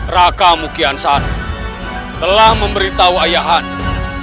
raka mukiansar telah memberitahu ayahannya